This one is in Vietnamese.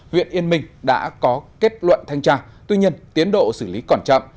huyện yên minh đã có kết luận thanh tra tuy nhiên tiến độ xử lý còn chậm